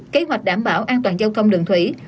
kế hoạch đảm bảo an toàn giao thông đường thủy